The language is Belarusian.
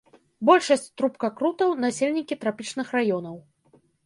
Большасць трубкакрутаў насельнікі трапічных раёнаў.